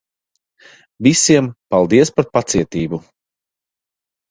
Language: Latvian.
Visiem, paldies par pacietību.